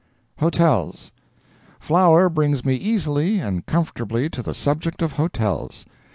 HOTELS Flour brings me easily and comfortably to the subject of hotels.